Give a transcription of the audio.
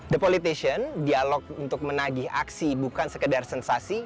the politician dialog untuk menagih aksi bukan sekedar sensasi